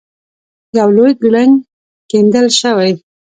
یو لوی کړنګ کیندل شوی.